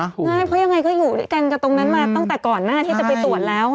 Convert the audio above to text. ใช่เพราะยังไงก็อยู่ด้วยกันกับตรงนั้นมาตั้งแต่ก่อนหน้าที่จะไปตรวจแล้ว